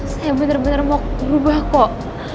saya bener bener mau berubah kok